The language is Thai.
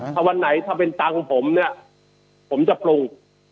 ถ้าวันไหนถ้าเป็นตังค์ผมเนี่ยผมจะปรุง